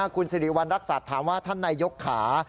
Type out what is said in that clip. คุณสิริวัณรักษัตริย์ถามว่าท่านนายยกขา